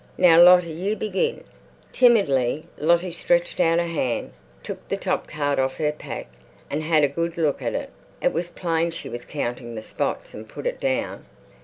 "Now, Lottie, you begin." Timidly Lottie stretched out a hand, took the top card off her pack, had a good look at it—it was plain she was counting the spots—and put it down.